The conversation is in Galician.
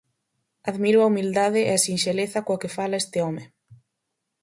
Admiro a humildade e a sinxeleza coa que fala este home.